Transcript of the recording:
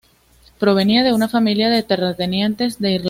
Provenía de una familia de terratenientes de Irlanda.